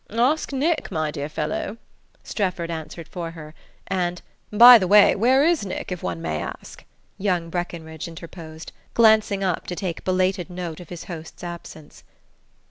"Ask Nick, my dear fellow," Strefford answered for her; and: "By the way, where is Nick if one may ask?" young Breckenridge interposed, glancing up to take belated note of his host's absence.